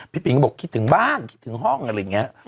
ปิงก็บอกคิดถึงบ้านคิดถึงห้องอะไรอย่างนี้